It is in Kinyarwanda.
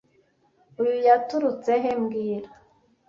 Uyu yaturutse he mbwira